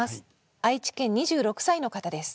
愛知県２６歳の方です。